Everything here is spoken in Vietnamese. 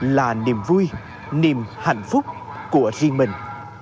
là niềm vui niềm hạnh phúc của riêng mình